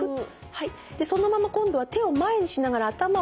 はいそのまま今度は手を前にしながら頭をク。